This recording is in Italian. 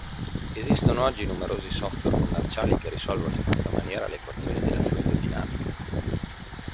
Esistono oggi numerosi software commerciali che risolvono in questa maniera le equazioni della fluidodinamica.